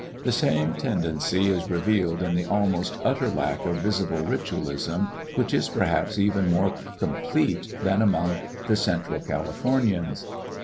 The same tendency is revealed in the almost utter lack of visible 'ritualism, which is perhaps even more complete than among the central Califor nians.